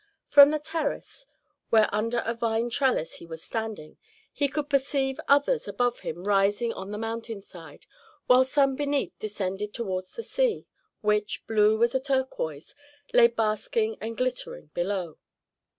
From the terrace, where under a vine trellis he was standing, he could perceive others above him rising on the mountain side, while some beneath descended towards the sea, which, blue as a turquoise, lay basking and glittering below.